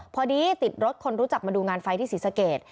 พอดีติดรถคนรู้จักมาดูงานไฟที่ศรีสเกต